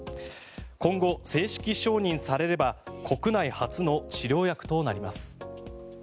今後、正式承認されれば国内初の治療薬となります。